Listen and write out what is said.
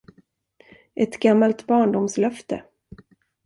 Ett gammalt barndomslöfte.